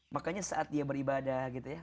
makanya saat dia beribadah